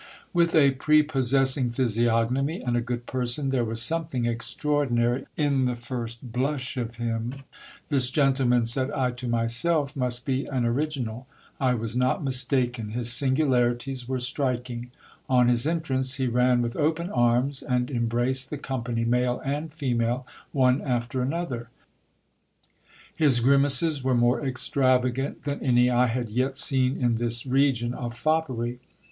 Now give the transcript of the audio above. With a prepossessing physiognomy and a good person, there was something extraordinary in the first blush of him. This gentleman, said I to myself, must be an original. I was not mistaken ; his singularities were striking. On his entrance, he ran with open arms and embraced the company, male and female, one after another. His grimaces were more extravagant than any I had yet seen in this region of foppery.